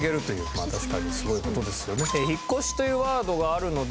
まあ確かにすごい事ですよね。